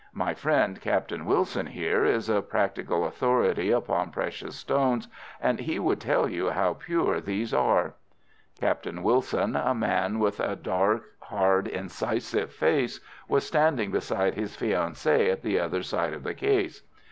My friend, Captain Wilson here, is a practical authority upon precious stones, and he would tell you how pure these are." Captain Wilson, a man with a dark, hard, incisive face, was standing beside his fiancée at the other side of the case.